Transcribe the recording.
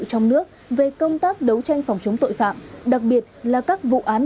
trong nước về công tác đấu tranh phòng chống tội phạm đặc biệt là các vụ án